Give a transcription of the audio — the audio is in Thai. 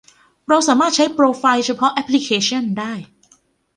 เราสามารถใช้โปรไฟล์เฉพาะแอปพลิเคชันได้